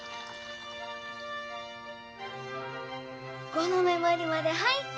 ５の目もりまで入った！